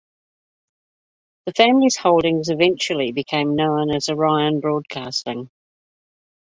The family's holdings eventually became known as Orion Broadcasting.